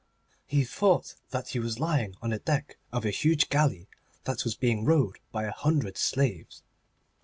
He thought that he was lying on the deck of a huge galley that was being rowed by a hundred slaves.